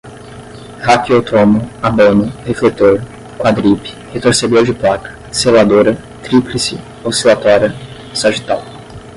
raquiotomo, abano, refletor, quadripe, retorcedor de placa, seladora, tríplice, oscilatória, sagital